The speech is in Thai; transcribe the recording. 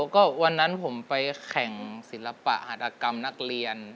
ก็วันนั้นผมไปแข่งศิลปะหัตกรรมนักเรียน